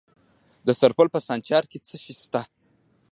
د سرپل په سانچارک کې څه شی شته؟